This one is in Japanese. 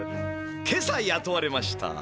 今朝やとわれました。